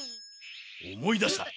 思い出した！